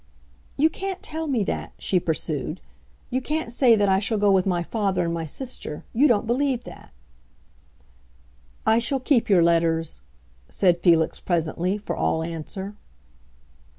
"You can't tell me that," she pursued. "You can't say that I shall go with my father and my sister; you don't believe that." "I shall keep your letters," said Felix, presently, for all answer.